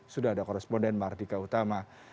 sudah ada koresponden mardika utama